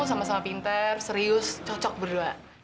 sama sama pinter serius cocok berdua